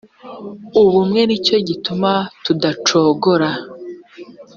ubumwe ni cyo gituma tudacogora .